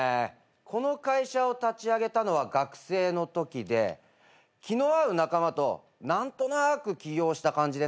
この会社を立ち上げたのは学生のときで気の合う仲間と何となく起業した感じですかね。